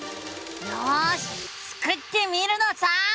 よしスクってみるのさ！